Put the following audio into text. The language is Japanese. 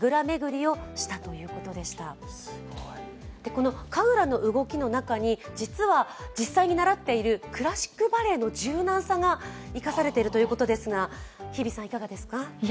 この神楽の動きの中に、実は実際に習っているクラシックバレエの柔軟さが生かされているということですが日比さん、いかがですか。